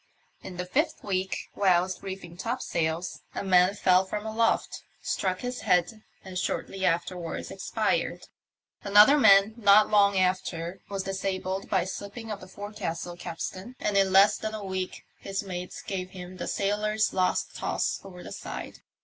In the fifth week, whilst reefing topsails, a man fell from aloft, struck his head and shortly after wards expired. Another man not long after was dis abled by the slipping of the forecastle capstan, and in less than a week his mates gave him the sailor's last toss over the side.